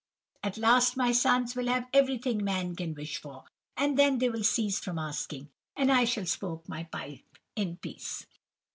At last my sons will have everything man can wish for, and then they will cease from asking, and I shall smoke my pipe in peace.